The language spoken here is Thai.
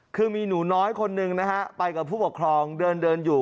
คือมีหนูน้อยคนหนึ่งนะฮะไปกับผู้ปกครองเดินอยู่